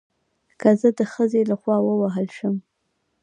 که زه د ښځې له خوا ووهل شم